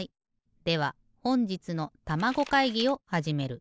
ではほんじつのたまご会議をはじめる。